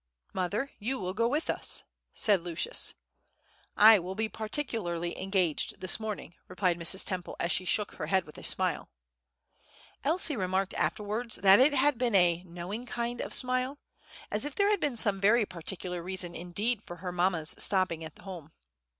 "Mother, you will go with us," said Lucius. "I will be particularly engaged this morning," replied Mrs. Temple, as she shook her head with a smile. Elsie remarked afterwards that it had been "a knowing kind of smile," as if there had been some very particular reason indeed for her mamma's stopping at home.